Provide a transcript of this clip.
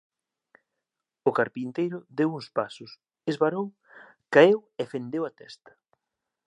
O carpinteiro deu uns pasos, esvarou, caeu e fendeu a testa.